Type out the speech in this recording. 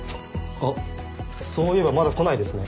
あっそういえばまだ来ないですね。